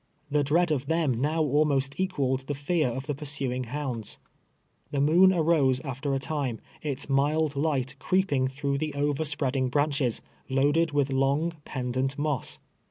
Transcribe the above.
The dread of them now almost equaled the fear of the pursuing hounds. Tlie moon arose after a time, its mild light creeping through the overspreading branches, loaded with long, pendent moss.